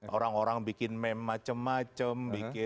orang orang bikin meme macam macam